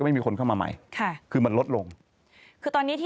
อืมอืมอืมอืมอืม